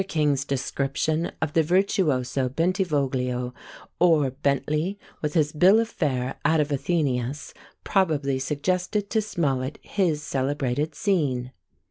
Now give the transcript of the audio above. King's description of the Virtuoso Bentivoglio or Bentley, with his "Bill of Fare" out of AthenÃḊus, probably suggested to Smollett his celebrated scene.